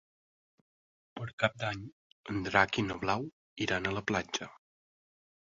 Per Cap d'Any en Drac i na Blau iran a la platja.